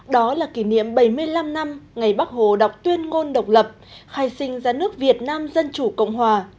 đó là kỷ niệm bảy mươi năm năm ngày bắc hồ đọc tuyên ngôn độc lập khai sinh ra nước việt nam dân chủ cộng hòa